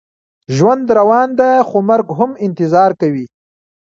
ژوند روان دی، خو مرګ هم انتظار کوي.